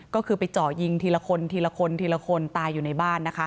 ก็คือไปเจาะยิงทีละคนทีละคนทีละคนตายอยู่ในบ้านนะคะ